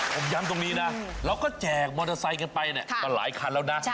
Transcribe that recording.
ผมย้ำตรงนี้นะเราก็แจกมอเตอร์ไซค์กันไปเนี่ยก็หลายคันแล้วนะ